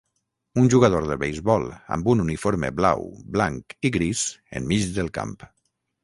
Un jugador de beisbol amb un uniforme blau, blanc i gris enmig del camp.